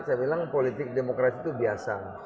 saya bilang politik demokrasi itu biasa